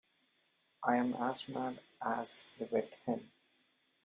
I am as mad as a wet hen.